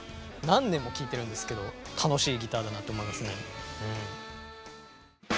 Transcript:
何年も聴いてるんですけど楽しいギターだなと思いますね。